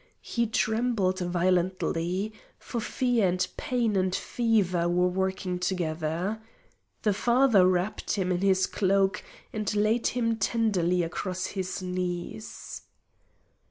He trembled violently; for fear, and pain, and fever were working together. The father wrapped him in his cloak, and laid him tenderly across his knees.